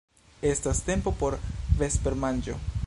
Estas tempo por vespermanĝo.